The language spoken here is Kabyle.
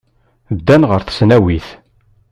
Ddan ɣer tesnawit.